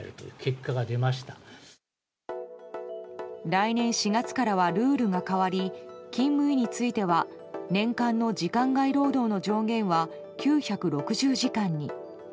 来年４月からはルールが変わり勤務医については年間の時間外労働の上限は９６０時間に。